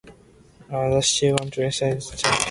The city is the county seat of Tattnall County.